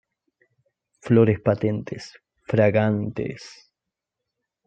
Flores patentes, fragantes.